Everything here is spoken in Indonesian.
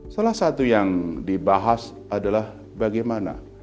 salah satu yang dibahas adalah bagaimana